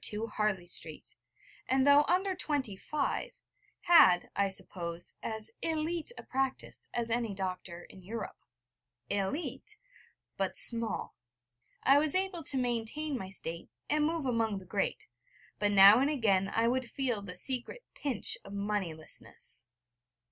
II, Harley Street, and, though under twenty five, had, I suppose, as élite a practice as any doctor in Europe. Élite but small. I was able to maintain my state, and move among the great: but now and again I would feel the secret pinch of moneylessness.